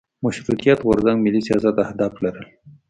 مشروطیت غورځنګ ملي سیاست اهداف لرل.